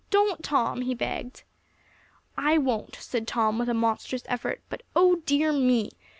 Don't, Tom," he begged. "I won't," said Tom, with a monstrous effort, "but oh dear me!"